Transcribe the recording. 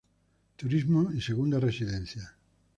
Turismo y segundas residencias.